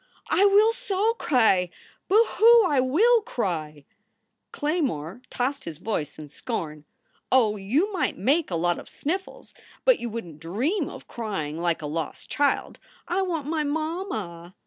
I will so cry ! Boo hoo I will cry ! Claymore tossed his voice in scorn. "Oh, you might make a lot of sniffles, but you wouldn t dream of crying like a lost child, I want my mamma!